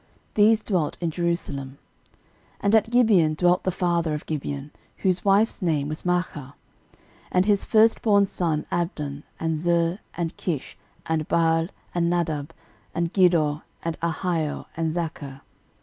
These dwelt in Jerusalem. 13:008:029 And at Gibeon dwelt the father of Gibeon; whose wife's name was Maachah: 13:008:030 And his firstborn son Abdon, and Zur, and Kish, and Baal, and Nadab, 13:008:031 And Gedor, and Ahio, and Zacher.